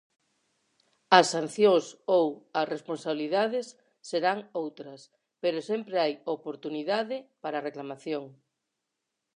As sancións ou as responsabilidades serán outras, pero sempre hai oportunidade para a reclamación.